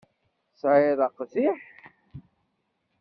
Tesɛiḍ aqziḥ?